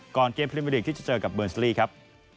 ก่อนเกมพิมพิธีที่จะเจอกับเบิร์นซิลี่ครับ